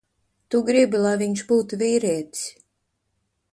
Tu gribi, lai viņš būtu vīrietis.